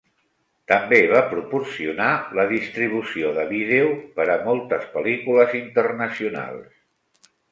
També va proporcionar la distribució de vídeo per a moltes pel·lícules internacionals.